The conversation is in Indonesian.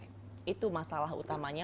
kalau itu masalah utamanya